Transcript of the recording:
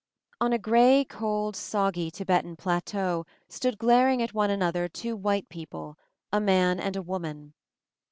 ON a gray, cold, soggy Tibetan pla teau stood glaring at one another two white people — a man and a woman.